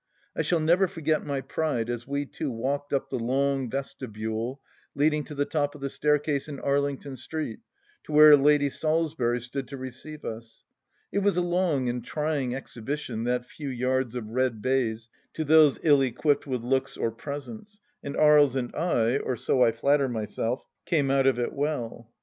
I shall never forget my pride as we two walked up the long vestibule leading to the top of the staircase in Arlington Street to where Lady Salisbury stood to receive us ! It was a long and trying exhibition, that few yards of red baize, to those Hi equipped with looks or presence, and Aries and I, or so I flatter myself, came out of it well.